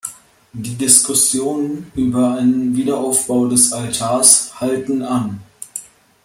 Die Diskussionen über einen Wiederaufbau des Altars halten an.